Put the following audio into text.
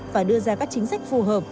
và đưa ra các chính sách phù hợp